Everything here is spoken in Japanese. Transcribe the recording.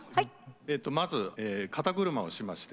えとまず肩車をしまして。